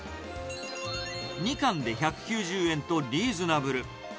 ２貫で１９０円とリーズナブル。